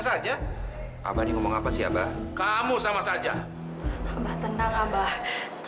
iya maaf kalau kita pamit mendadak abah ambu